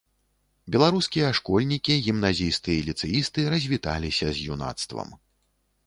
Беларускія школьнікі, гімназісты і ліцэісты развіталіся з юнацтвам.